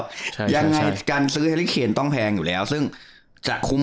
แล้วยังไงกันซื้อเคมด์ต้องแพงอยู่แล้วซึ่งจะคุ้ม